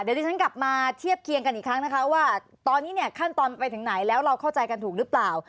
เดี๋ยวที่ฉันกลับมาเทียบเคียงกันอีกครั้งนะคะว่าตอนนี้เนี่ยขั้นตอนไปถึงไหนแล้วเราเข้าใจกันถูกหรือเปล่า